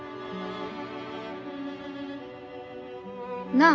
なあ。